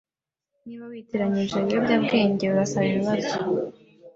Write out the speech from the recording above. Niba witiranyije ibiyobyabwenge, urasaba ibibazo.